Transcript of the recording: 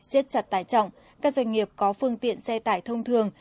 giết chặt tải trọng các doanh nghiệp có phương tiện xe tải thông thường